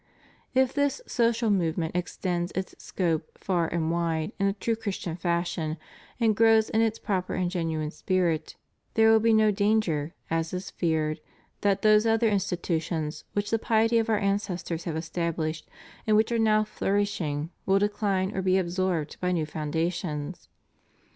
If this social movement extends its scope far and wide in a true Christian fashion, and grows in its proper and genuine spirit, there will be no danger, as is feared, that those other institutions, which the piety of our ancestors have established and which are now flourishing, will decline or be absorbed by new foundations.